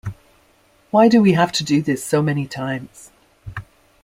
Why do we have to do this so many times?